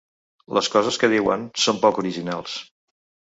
Les coses que diuen són poc originals.